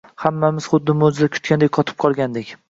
Hammamiz xuddi mo‘jiza kutgandek qotib qolgandik.